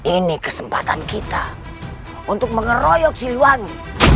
ini kesempatan kita untuk mengeroyok siliwangi